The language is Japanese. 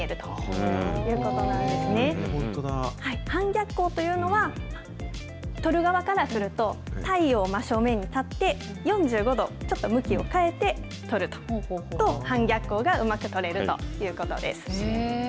半逆光というのは、撮る側からすると、太陽を真正面に立って、４５度、ちょっと向きを変えて撮ると、半逆光がうまく撮れるということです。